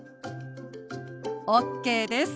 ＯＫです。